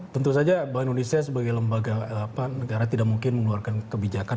tentu saja bank indonesia sebagai lembaga negara tidak mungkin mengeluarkan kebijakan